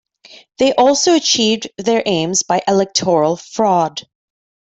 They also achieved their aims by electoral fraud.